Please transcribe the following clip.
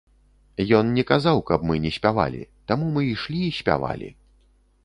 Ён не казаў, каб мы не спявалі, таму мы ішлі і спявалі.